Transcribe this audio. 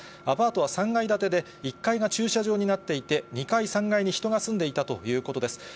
アパートは３階建てで、１階が駐車場になっていて、２階、３階に人が住んでいたということです。